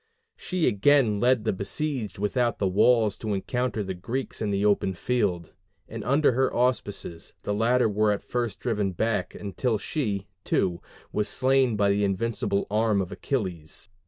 She again led the besieged without the walls to encounter the Greeks in the open field; and under her auspices the latter were at first driven back, until she, too, was slain by the invincible arm of Achilles.